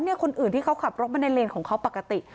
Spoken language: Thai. เพราะว่าคนอื่นที่เขาขับรถบรรทุกในเรนของเขาปกติ